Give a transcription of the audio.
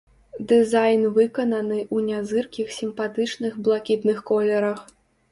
Дызайн выкананы ў нязыркіх сімпатычных блакітных колерах.